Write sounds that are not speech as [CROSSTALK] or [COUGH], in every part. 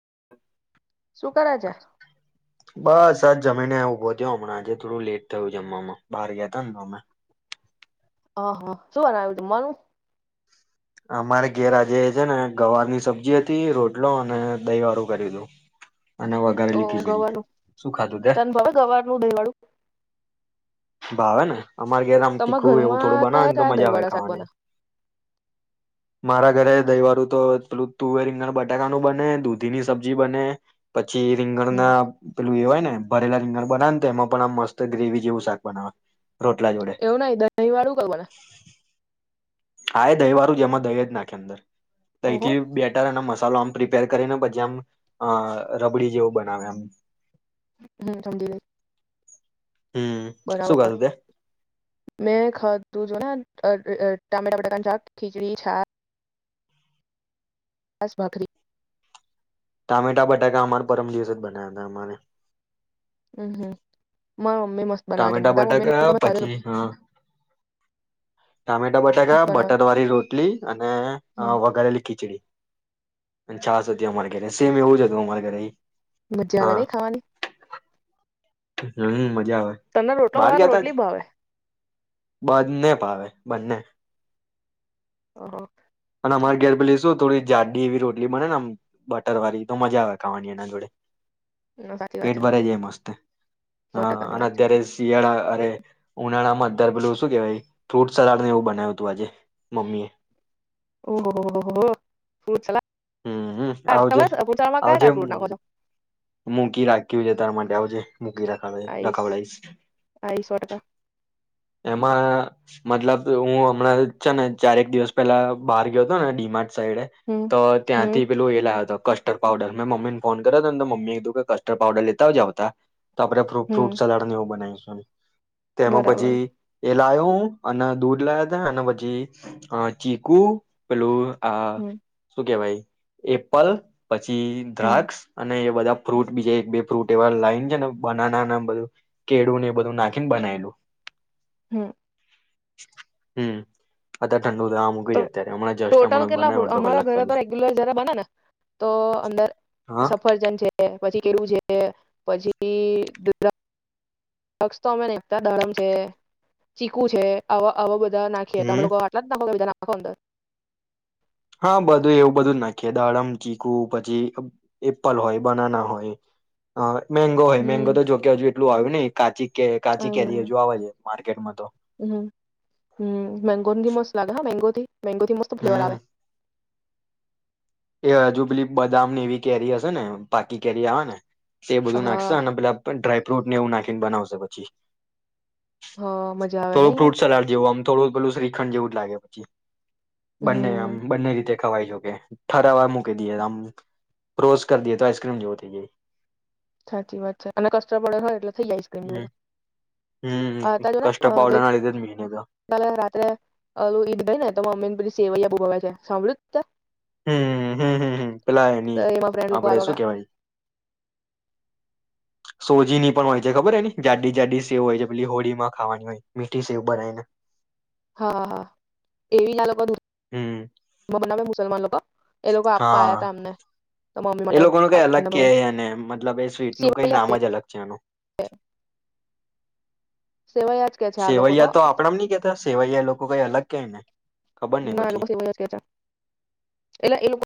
[INAUDIBLE] શું કરે છે? બસ આ જ જમીને ઉભો થયો હમણાં, આજે થોડું લેટ થયું જમવામાં, બહાર ગયા તા ન અમે. હા, હા. શું બનાયું જમવાનું? અમારે ઘેર આજે છે ને ગવાર ની સબ્જી હતી, રોટલો, અને દહી વાળું કરેલું. ઓહ ગવાર નું? તે તન ભાવે ગવારનું દહીંવાળું? ભાવે ને. અમારે ઘેરે આમ તમારા તીખું એવું થોડું ઘરમાં બનાવે કયા ને તો કયા મજા દહીં આવે વાળા શાક ખાવાની. બને? મારા ઘરે દઈ વારુ તો પેલું તુવે રીંગણ બટાકાનું બને, દૂધી ની સબ્જી બને, પ છી રીંગણ હમ ના પેલું એ હોય ને ભરેલા રીંગણ બનાવે ને તો એમાં પણ આમ મસ્ત ગ્રેવી જેવું શાક બનાવા એવું નહી દહીં વાળું કઈ બને? હા એ દહી વારું જેમાં દહી જ નાખે અંદર. ઓહો તઈથી બેટર અને મસ ચાલો આમ પ્રિપેર કરીને પછી આમ અહ રબડી જેવું બનાવે આમ. હમ્મ, સમજી લેઇ. હમ શું બરાબર કતું તે મેં ખાધું જો ને આન અહ અહ ટમેટા બટા શાક, ખિચડી, છા પાસ ભાકરી. ટામેટા બટાકા અમારા પરમ દિવસ જ બના્યા હતા અમારે. અમ્મ હમ્મ. મ ટામેટા બટેકા હા પછી હા ટામેટા બટાકા મસ્ત બનાવે. બટર વાળી રોટલી અને અહ હમ વઘારેલી ખીચડી. પેલી છાશ હતી અમારે ઘરે સેમ એવું જ હતું અમારા ઘરે ઈ. મજા આવે નહી ખાવાની? હમ્મ. મ તને રોટલો ભાવે કે રોટલી ભાવે? બંને ભાવે બંને. હા, હા. અને અમારે ઘેર પેલી શું થોડી જાડ્ડી એવી રોટલી બને ને આમ બટર વાળી તો મજા આવે ખાવાની એના જોડે. ના સાચી વાત પેટ છે ભરાઈ જાય મસ્ત. સો હા, ટકાની અને વાત છે. અત્યારે શિયાળા અરે ઉનાળામાં [UNINTELLIGIBLE] શું કેવાય? ફ્રૂટ સલાડ ને એવું બનાયું તું આજે, મમ્મી એ. ઓહ હો, હો, હો ફ્રૂટ સલાડ હમ્મ-હમ્મ તમે ફ્રૂટ સલાડમાં કયા આવજે-આવજે, કયા ફ્રૂટ નાખો છો? મૂકી રાખ્યું છે તાર માટે આવજે. મૂકી રખાવાય આઈસ રખાવડાઈશ. આઈ સો ટકા એમાં મતલબ હું હમણાં છે ને ચારેક દિવસ પેલા બહાર ગયો હતો ને ડીમાર્ટ સાઈડે હમ તો હમ ત્યાંથી પેલું એ લા વતો કસ્ટર્ડ પાવડર, મેં મમ્મીને ફોન કર્યો તો ને તો મમ્મી એ કીધું કે કસ્ટર્ડ પાવડર લેતા જ આવતા. તો આપણે ફ્રૂ હમ ફ્રૂટ સલાડને એવું બનાઈ. હા. તેમાં બરાબર પછી એ લાયો હું, અને દૂધ લાયા તા, અને પછી અહ ચીકુ, પેલું હમ હા. કેવાય એપલ પછી હમ દ્રાક્ષ, અને એ બધા ફ્રૂટ બીજા એક બે ફ્રૂટ એવા લાઈન છે ને બનાના ને બધું, કેળું ને એ બધું નાખીને બનાયેલું. હમ્મ. હમ્મ. [UNINTELLIGIBLE] ઠંડુ થાવા મૂક્યું તો છે અત્યારે, હમણાં જસ્ટ ટોટલ હમણા કેટલા બનાવ અડધો કલાક [UNINTELLIGIBLE] પેલા રેગ્યુલર જ્યારે બનેને તો અંદર હા સફરજન છે, પછી કેળું છે, પછી એ દ્રા ક્ષ તો અમે [UNINTELLIGIBLE] દાડમ છે, ચીકુ છે, આવ આવા બધ ધા નાખીએ તો અમે હમ લોકો [UNINTELLIGIBLE] નાખો અંદર. હા બધું એવું બધું જ નાખીએ, દાડમ, ચીકુ, પછી એપલ હોય, બનાના હોય, અહ મેંગો હોય, હમ મેંગો તો જોકે હજુ એટલું આવ્યું ને કાચી કે કાચી કેરી હજુ આવે છે. માર્કેટ માં તો હમ્મ-હમ્મ. મેંગો થીન મસ્ત લાગે હો મેંગો થી. મેંગોથી મસ્ત ફ્લેવર હમ આવે. એ હજુ પેલી બદામને એવી કેરી હશે ને પાકી કેરી આવે ને તે બધું નાખશે હા અને પેલા પ ડ્રાય ફ્રુટ ને એવુથ નાખીન બનાવશે પછી. હા મજા આવે ને થોડું યાર ફ્રૂટ સલાડ જેવું આમ. થોડું પેલું શ્રીખંડ જેવું જ લાગે પછી. બંને આમ હમ બંને રીતે ખવાય જો કે. ઠરાવા મૂકી દીએ આમ, રોસ્ટ કર દીએ તો આઈસક્રીમ જેવુ થઈ જાય. સાચી વાત છે. અને કસ્ટર પાવડર હોય એટલે [INAUDIBLE] હમ હમ કસ્ટર્ડ પાવડર ના લીધે જ મીને તો સેવૈયા બહું ભાવે છે. સાંભળ્યું છ તે? હમ્મ-હમ્મ-હમ્મ. પેલા એની તો એમાં ફ્રેન્ડ લોકો આ આપડે લોકો શું કેવાય? સોજીની પણ હોય છે ખબર એની? જાડી જાડી સેવ હોય છે, પેલી હોળીમાં ખાવાની હોય, મીઠી સેવ બનાયને. હા, હા એવી [INAUDIBLE] હમ અમારે બનાવે મુસલમાન લોકો. એ લોકો આપવા હા આયા ત અમને. તો મમ્મી એ માટે લોકો ન કઈ અલગ આપવાના કે ભાવે અને મતલબ એ સ્વીટ ન કઈ સેવૈયા નામ કે જ અલગ છે એનું. સેવૈયા જ કે છે આ લોકો સેવૈયા તો આપણા નની કેતા સેવૈ ક એ લોકો કઈ અલગ કય ને. ખબર નઈ ના એ પછી લોકો કે છે, એટલે એ લોકો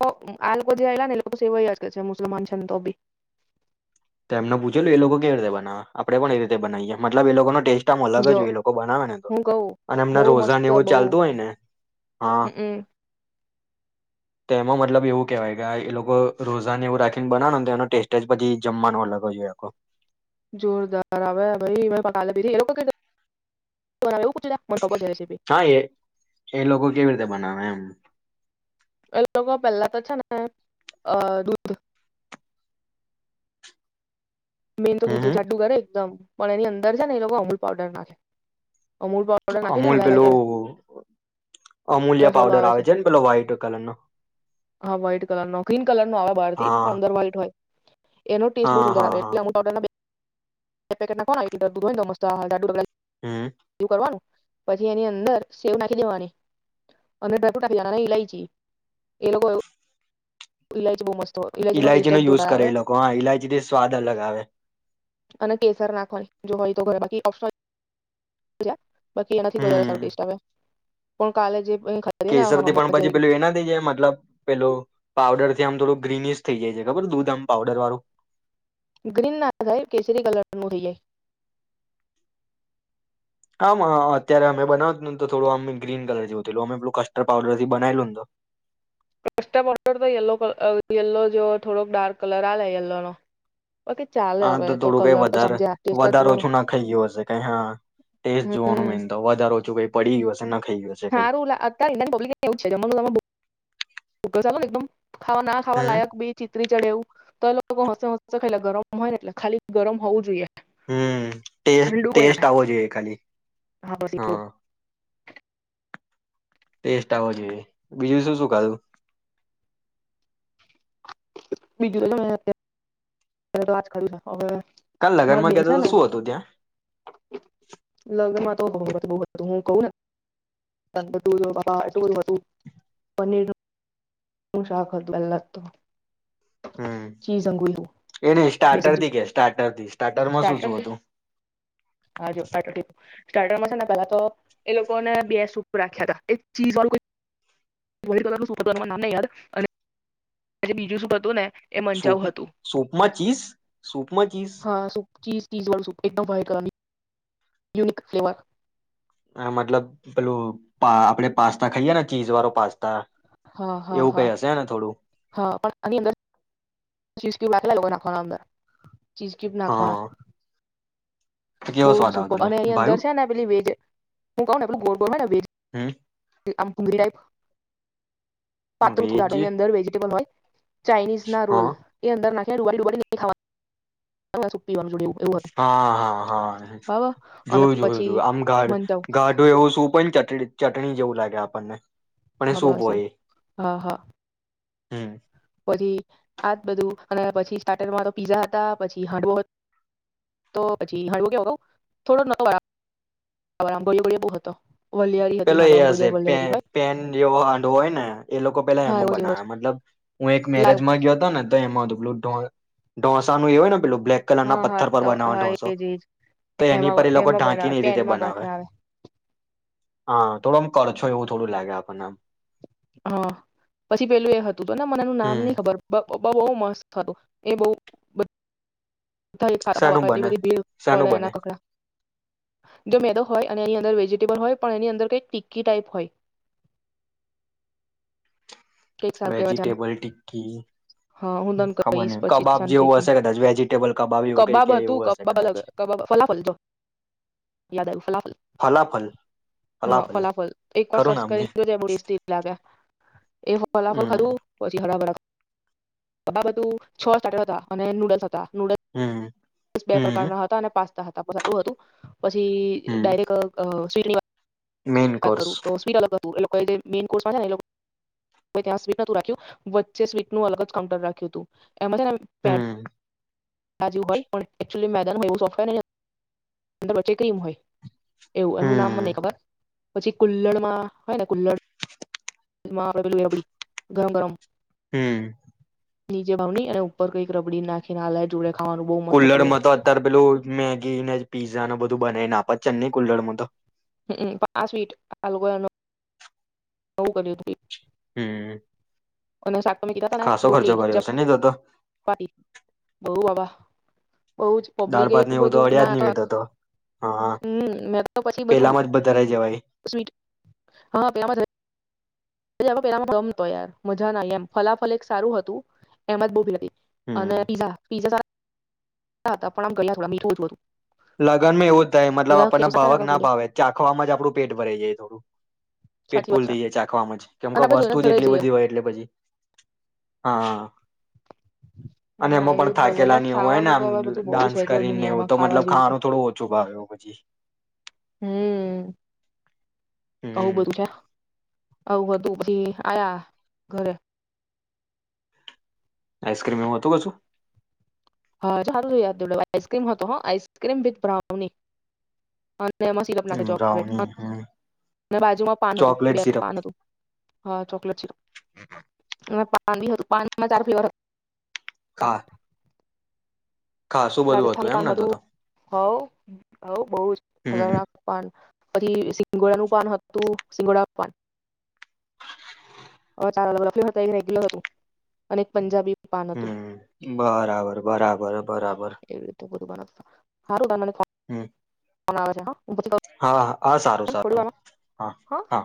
તો આ લોકો જેલા ને એ લોકો સેવાય છે, મુસલમાન છે ને તો બી. તો એમને પૂછ્યું એ લોકો કેવી રીતે બનાવા, આપડે પણ એ રીતે બનાવીએ મતલબ એ લોકોનો ટેસ્ટ અલગ જ જો હોય એ લોકો બનાવે ને તો, હું કઉ અને એમના બહુ રોઝાન મસ્ત એવું બહુ ચાલતું હોય ને, હા. હમમ તેમાં મતલબ એવું કેવાય કે એ લોકો રોઝાને એવું રાખીને બનાવ ને તો એનો ટેસ્ટ જ પછી જમવાનો અલગ હોય એમ આખો. જોરદાર આવે ભાઈ મે પ લ પી. [UNINTELLIGIBLE] હા એ એ લોકો કેવી રીતે બનાવે? એમ. એ લોકો પેલા તો છે ને, અ દૂધ મેન તો હમ હમ છાટું કર એકદમ પણ એની અંદર છે ને એ લોકો અમૂલ પાવડર નાખે. અમૂલ પાવડર નાખીને હ અમૂલ પેલું કરે, દસ અમૂલ્યા વાડો પાવડર આવે છે, ને પેલો વ્હાઈટ કલર નો હા વ્હાઈટ કલર નો ગ્રીન કલર નો આવે બાર થી હા અંદર વ્હાઈટ હોય. એનો ટેસ્ટ બહુ હા હા હા [UNINTELLIGIBLE] આવે. [INAUDIBLE] [INAUDIBLE] હમ્મ. કરવાનું પછી એની અંદર સેવ નાખી દેવાની, [UNINTELLIGIBLE] ઈલાયચી એ લોકો એવું ઈલાયચી બોવ મસ્ત ઈલાયચીનો જ યુઝ જોરદાર કરે આવે એ લોકો, હા ઈલાયચી થી સ્વાદ અલગ આવે. અને કેસર નાખવાની જો હોય તો [UNINTELLIGIBLE] બાકી એનાથી વધારે સારું હમ ટેસ્ટ આવે. પણ કાલે જે ખાધી ને કેસર આહાહા થી પણ મજા પછી આઈ પેલું એનાથી જ એ મતલબ પેલું પાવડર થી આમ થોડું ગ્રીનિશ થઈ જાય છે, ખબર આમ દૂધ આમ પાવડર વાળું. ગ્રીન ના થાય, કેસરી કલરનું થઈ જાય. આમ અત્યારે અમે બનાવતુંને તો થોડું આમ ગ્રીન કલર જેવું થયેલું. અમે પેલું કસ્ટર્ડ પાવડર થી બનાયલું ને તો. કસ્ટડર તો યેલો કલ અહ યેલો જેવો થોડોક ડાર્ક કલર આવે યેલો નો. બાકી ચાલે આમ હવે તો થોડું કઈ કલર તો વધારે, સમજે આર્ટિસ્ટ જ વધારો જોવાનું ઓછું નખાઈ ગયું હશે કઈ, હા ટેસ્ટ જોવાનું હમ મેન તો. [UNINTELLIGIBLE] જો કઈ પડી ગયું હશે. નખાઈ ગયું હશે કઈ [UNINTELLIGIBLE] ફગસાલ ને એકદમ. ખાવા ના ખાવા હમ લાયક બી ચિત્રી ચડે એવું તલો હ હ ખાલા ગરમ હોય એટલે ખાલી ગરમ હોવું જોઈએ. હમ્મ ટે ઠંડુ કોઈ ના ટેસ્ટ આવો જોઈએ ખાલી ખાય બસ એવું હા ટેસ્ટ આવ જોઈએ, બીજું શું શું ખાધું? બીજું [UNINTELLIGIBLE] એ તો આવાજ [UNINTELLIGIBLE] કાલ લગ્નમાં ગયા તો તો શું હતું ત્યાં? લગ્નમાં તો [UNINTELLIGIBLE] હત હું કહું ને [UNINTELLIGIBLE] ટું હતું પનીર નું નું શાખ હતું પેલા તો. હમ્મ ચીઝ અંગુર એ ને બે સ્ટાર્ટ સબ્જી થી કે સ્ટાર્ટરથી સ્ટાર્ટરમાં શું સ્ટાર્ટર શું હતું? હા જો સ્ટાર્ટર સ્ટાર્ટરમાં છે ને, પેલા તો એ લોકોને બે સૂપ રાખ્યા હતા, એક ચીઝ વાળું કોઈ વ્હાઇટ કલરનું સૂપ હતું તેનું નામ નઈ યાદ અને જે બીજું સૂપ હતું ને એ મંચાઉ સુપ હતું સુપમાં ચીસ! શૂપમાં ચીસ હા સૂપ ચીઝ, ચીઝ વાળું એકદમ વ્હાઇટ કલરની યુનિક ફ્લેવર અ મતલબ પેલું પા આપણે પાસ્તા ખાઈએ ચીજ વાળો પાસ્તા. હા હા એવું હા, કઈ હશે ને થોડું હા પણ આની અંદર લાગ લ ના [UNINTELLIGIBLE] ચીઝકીપ નાખાવા. હા તો કેવો બઉ સ્વાદ આવતો સુપર હતો અને એ અંદર ભાયું છે ને પે વેજ હું ક ને પેલું ગો ગોને વેજ. હમ આમ [UNINTELLIGIBLE] પાત્ર વેજ ઉઘાટન ની અંદર વેજીિટેબલ હોય. ચાઇનીઝ ના રોલ, હા એ અંદર નાખ ર ખવા પીવાનું જોેું [UNINTELLIGIBLE] હા હા. હા હા અને જોયું જોયું પછી જોયું આમ ગા મંચાઉ ગાઢો એવું શું કોઈ ચટ ચટણી જેવું લાગે આપણને. પણ એ હા સૂપ બસું હોય એ. હા હા. હમ. પછી આજ બધું અને પછી સ્ટાર્ટરમાં તો પીઝા હતા પછી હાંડવો તો પ હાંડવો કેવ ક થોડો ન [UNINTELLIGIBLE] બ આમ બોલી ગળ બહુ હતો. વલિયારી હતી પેલો એ હાંડવો આમ હશે ગોજર વલિયારી હોય પેન જેવો હડો હોય ને એ લોકો પેલા હા એમાં એવો જ એવો જ બનાવ્યા મતલબ, હું એક લાઈવ મેરેજમાં ગયો હતો ને તો એમાં લોન ઢોસાનું એવ હોય ને પેલું. બ્લેક કલર ના હા હા પથ્થર પર તો બનાવવા હા ઢોંસો, એજ એજ તો એની એમાં પર એ લોકો એમાં ઢાંકીને બનાવે એ રીતે પેનમાં બનાવે. હા થોડોમ કરછો એવું થોડું લાગે આપણને આમ. હા પછી પેલું એ હતું. ત મનેનું નામ હમ ન ખબર. બહુ મસ્ત હતો, એ બહ શાનું ધી બને ભીડ શાનું પડે બને એના કકડા જો મેદો હોય [UNINTELLIGIBLE] અને એની અંદર વેજીિટેબલ હોય પણ એની અંદર કઈક ટીકી ટાઈપ હોય. કઈક સારું કહેવાય છે આને વેજીિટેબલ, ટિક્કી હા હું તને ખબર ન કહીશ પછી કબાબ જેવું શાંતિથી હશે કદાચ વેજીિટેબલ કબાબ એવું કઈ ક હતું એવું હશે કબાબ કદાચ. અલગ કબાબ ફલાફલ જો યાદ આવ્યું ફલાફલ ફલાફલ હા ફલાફલ એક વાર ખરું સર્ચ નામ છે કરીને જોજાય સ્ લાગે, એ ફલ હમ ખાધું પછી બરાબરા, બધું છ સ્ટાર્ટર હતા અને નુડલ્સ હતા. હમ નૂડલ્સ બે હમ પ્રકારના હતા અને પાસ્ હતા પણટું હતું. પછી હમ ડાયરેક્ટ મેન શ્રીવા [UNINTELLIGIBLE] ક કોર્સ કરું તો ગ કર [UNINTELLIGIBLE] એ લોકો મેન કોર્માં છે ને એ લોકો હવે ત્યાં સ્વીટ નું રાખ્યું, વચ્ચે સ્વીટનું અલગ જ કાઉન્ટર રાખ્યું હતું. એમાં છે ને હમ જેવું હોય પણ એકચુલી મેદાન હોય એવું સોફ્ટવેર વચ્ચે ક્રીમ હોય. એવું એનું નામ મને હમ ખબર. પછી કુલ્લણમાં હોય ને કુલ્લણ. રાબડી અ આપડી ગરમ ગરમ. હમ. નીચે વાાવણી અને ઉપર કઈ રબડી નાખીને આલાય જોડે ખાવાનું બહુ મસ્ત હતું એ કુલરમાં તો અત્યારે પેલું મેગી ને પીઝા ન બધું બનાવીને આપે. પચન નહી કુલ્લડમાં તો. હમ પણ આ સ્વીટ હલગો એનું બ કર્યું ત [UNINTELLIGIBLE] હમ. અને સા તમે તને ખાસો ખર્ચો રોટીલી કર્યો હશે નહી થતો ચપાટી બહુ બાબ બ જ દાળ પબ્લિક ભાત ને એલું એવું તો બધું અડ્યા જ ના નહી હોય તો હા હ મે તો પછી બધું પેલામાં જ બધા રહી જવાય હા. પેલા રમ તોયાર મજા ના એમ ફલાફલ એક સારું હતું એમ જ બહુ ભીડ હતી. અને હમ પીઝા. હા પણ આમ ગયેલા થોડા મીઠું જ હતું. લગ્નમાં એવું જ થાય મતલબ બધા આપણને કેસો સાથે ને ભાવક તો ના ગળ્યા ભાવે ચાખવામાં જ આપણું પેટ ભરાઈ જાય થોડું. પેટ સાચી ભૂલ વાત છે થઈ જાય ચાખવામાં જ કેમ કે અને આપણે જોઈને વસ્તુ જ ઘરે એટલી જઈએ બધી હોય એટલે પછી, હા. [INAUDIBLE] અને હા એમાં પણ એવું જ બધું એટલે થાકેલા એવું હોય ને ખાવાનું આમ તો હવે બધું બહુ ડાન્સ છે જો કરીને એવું દુનિયામાં તો ખાવા મતલબ જેવું તો ખાવાનું થોડું ઓછો ભ્યો પછી હમ હમ. છે આવ બધું પછી આયા ઘરે. આઈસ્ક્રીમ એવ હતું કસુ? હા સાર જો યાદ આઈક્રીમ હતો હ આઈસક્રીમ વિથ બ્રાઉની. એમાં સીલપ નાખે હમ ચોકલેટ, બ્રાઉની હમ બાજુમાં પાન હતું ચોકલેટ બે હતું સિરપ પાન હતું. હા. [UNINTELLIGIBLE] પાન બી હતું પાનમાં ચાર ફ્લેવર. હતા હા. હા શું બધું હતું એમ ને તો તો. આવું. બહુ જ હમ ખતરનાક પણ. પછી સિંગોડાનું પાન હતું સિંગોડાનું પાન. [INAUDIBLE] હતા રેગ્યુલર હતું, અને પંજાબી પાન હતું હમ, બરાબર બરાબર બરાબર. હારું બ હમ. બન આવેર હ. હા હા સારું સારું હા હા.